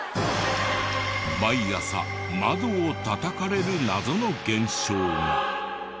毎朝窓をたたかれる謎の現象。